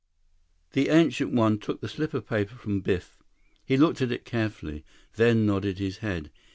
The Ancient One took the slip of paper from Biff. He looked at it carefully, then nodded his head.